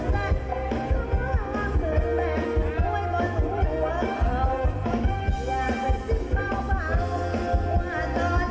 และเป็นซิ้นเปล่าว่าตอนเว้าจะตายจะห่างเร้าง